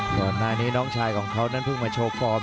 ก่อนหน้านี้น้องชายของเขานั้นเพิ่งมาโชว์ฟอร์ม